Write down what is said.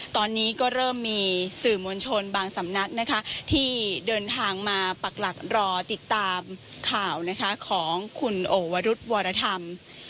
ตอนนี้ก็เริ่มมีสื่อมวลชนบางสำนักนะคะที่เดินทางมาปักหลักรอติดตามข่าวนะคะของคุณโอวรุธวรธรรม